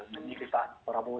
menilai pak prabowo